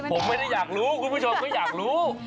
ผมไม่ได้อยากรู้คุณผู้ชมก็อยากรู้